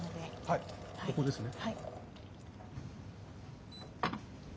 はいここですね？